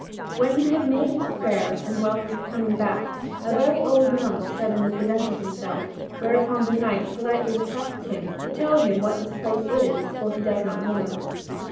When he had made his prayer, and while he was coming back, a very old monk suddenly presented himself; whereupon the knight politely requests him to tell him what this place is; for he does not know.